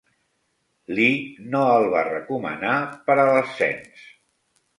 Lee no el va recomanar per a l'ascens.